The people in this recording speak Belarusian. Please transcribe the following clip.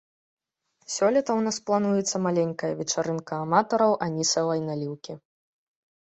Сёлета ў нас плануецца маленькая вечарынка аматараў анісавай наліўкі.